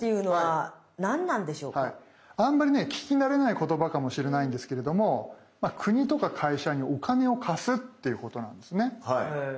あんまりね聞きなれない言葉かもしれないんですけれども国とか会社にお金を貸すっていうことなんですね。